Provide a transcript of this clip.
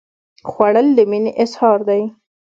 خوړل د مینې اظهار دی